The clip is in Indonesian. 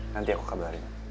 nanti aku kabarin